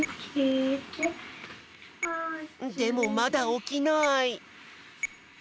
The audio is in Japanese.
でもまだおきない。